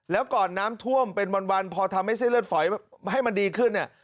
แล้วก่อนน้ำท่วมเป็นวันพอทำให้เส้นเลือดฝอยให้มันดีขึ้นเนี่ย